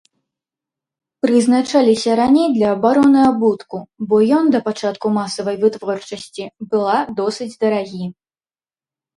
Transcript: Прызначаліся раней для абароны абутку, бо ён да пачатку масавай вытворчасці была досыць дарагі.